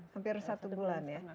hampir satu bulan ya